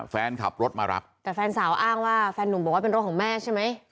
แฟนขับรถมารับแต่แฟนสาวอ้างว่าแฟนหนุ่มบอกว่าเป็นรถของแม่ใช่ไหม